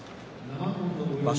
場所